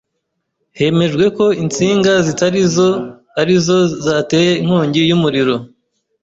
Hemejwe ko insinga zitari zo ari zo zateye inkongi y'umuriro.